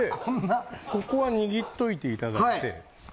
ここを握っておいていただいて。